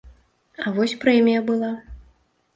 А вось прэмія была.